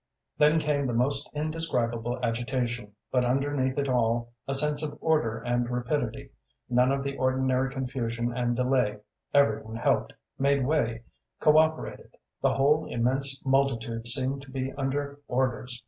Then came the most indescribable agitation, but underneath it all a sense of order and rapidity; none of the ordinary confusion and delay; every one helped, made way, co operated; the whole immense multitude seemed to be under orders.